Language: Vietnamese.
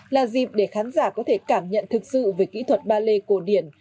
là dịp để khán giả có thể cảm nhận thực sự về kỹ thuật ballet cổ điển